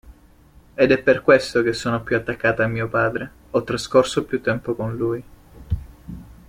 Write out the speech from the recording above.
Ed è per questo che sono più attaccata a mio padre, ho trascorso più tempo con lui.